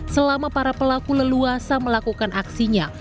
selama para pelaku leluasa melakukan aksinya